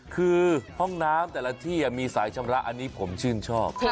คือห้องน้ำแต่ละที่มีสายชำระอันนี้ผมชื่นชอบ